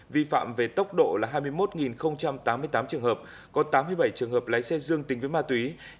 vi phạm về tốc độ là hai mươi một tám mươi tám trường hợp có tám mươi bảy trường hợp lái xe dương tính với ma túy